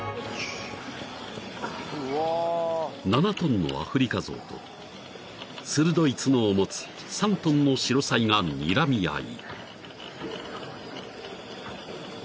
［７ｔのアフリカゾウと鋭い角を持つ３ｔのシロサイがにらみ合い］